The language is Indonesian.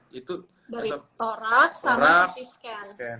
dari torak sama ct scan